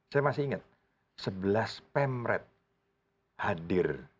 saya masih ingat sebelas pemret hadir